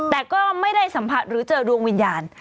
แต่ก็ไม่ได้สัมผัสหรือเจอดวงวิญญาณ